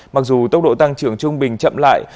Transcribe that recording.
mặc dù tốc độ tăng trưởng trung bình chậm lại